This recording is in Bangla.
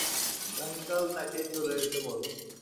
আগামীকাল তাকে চলে যেতে বলো।